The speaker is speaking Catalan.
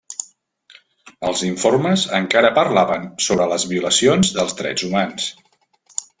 Els informes encara parlaven sobre les violacions dels drets humans.